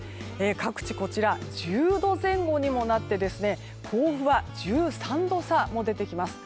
各地、１０度前後にもなって甲府は１３度差も出てきます。